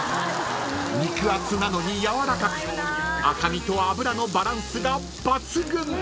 ［肉厚なのにやわらかく赤身と脂のバランスが抜群］